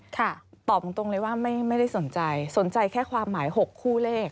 ตอบตรงเลยว่าไม่ได้สนใจสนใจแค่ความหมาย๖คู่เลข